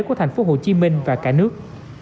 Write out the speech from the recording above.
của tp hcm và cả nước